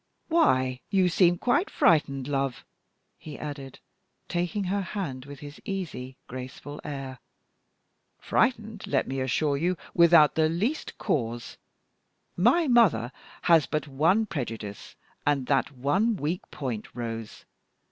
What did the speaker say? "Why, you seem quite frightened, love," he added, taking her hand with his easy, graceful air; "frightened, let me assure you, without the least cause. My mother has but that one prejudice, and that one weak point, Rose.